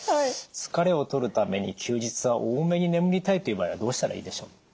疲れを取るために休日は多めに眠りたいという場合はどうしたらいいでしょう？